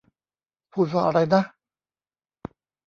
พูดว่าอะไรนะ ?